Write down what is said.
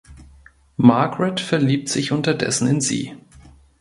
Margaret verliebt sich unterdessen in sie.